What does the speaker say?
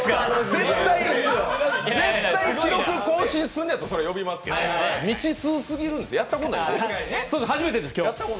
絶対記録更新するなら呼びますけど未知数過ぎるんですよ、やったことないんですよ。